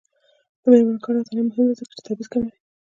د میرمنو کار او تعلیم مهم دی ځکه چې تبعیض کموي.